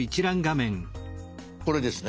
これですね。